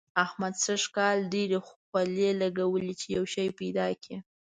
احمد سږ کال ډېرې خولې لګوي چي يو شی پيدا کړي.